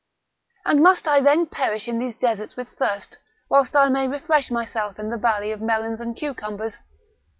"And must I then perish in these deserts with thirst, whilst I may refresh myself in the valley of melons and cucumbers!